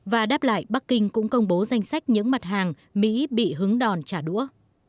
và đáp lại bắc kinh cũng công bố danh sách những mặt hàng mỹ bị hứng đòn trả đũa